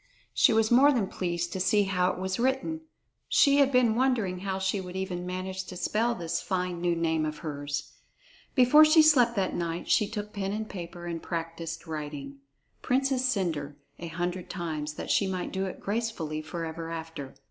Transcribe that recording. She was more than pleased to see how it was written; she had been wondering how she would even manage to spell this fine new name of hers. Before she slept that night, she took pen and paper and practiced writing "Princess Cendre" a hundred times, that she might do it gracefully forever after.